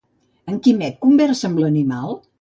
En Quimet conversava amb l'animal?